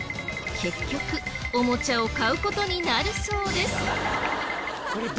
結局おもちゃを買う事になるそうです。